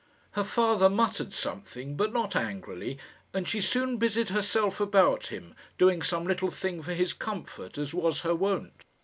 Her father muttered something, but not angrily, and she soon busied herself about him, doing some little thing for his comfort, as was her wont.